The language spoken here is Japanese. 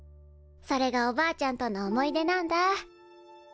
それがおばあちゃんとの思い出なんだ。